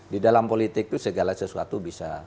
di dalam politik itu segala sesuatu bisa